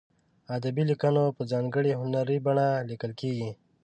ادبي لیکونه په ځانګړې هنري بڼه لیکل کیږي.